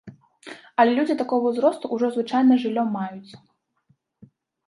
Але людзі такога ўзросту ўжо звычайна жыллё маюць.